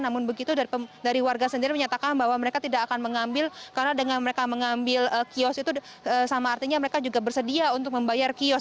namun begitu dari warga sendiri menyatakan bahwa mereka tidak akan mengambil karena dengan mereka mengambil kios itu sama artinya mereka juga bersedia untuk membayar kios